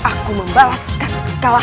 aku membalaskan kekalahanku